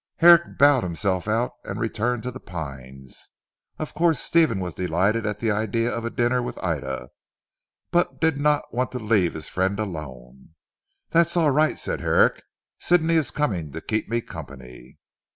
Herrick bowed himself out and returned to "The Pines." Of course Stephen was delighted at the idea of a dinner with Ida, but did not want to leave his friend alone. "That's all right," said Herrick. "Sidney is coming to keep me company."